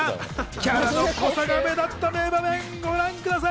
キャラの濃さが目立った名場面、ご覧ください。